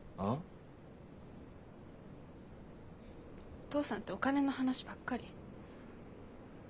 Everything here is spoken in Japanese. お父さんってお金の話ばっかり。